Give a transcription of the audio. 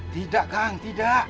tidak kang tidak